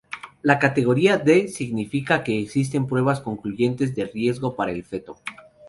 La categoría D significa que existen pruebas concluyentes de riesgo para el feto.